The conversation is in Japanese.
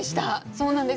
そうなんです。